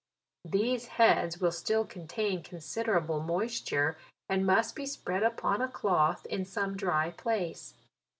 These heads will still contain considerable moisture, and must be spread upon a cloth, in some dry place.